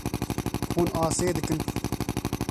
Hûn asê dikin.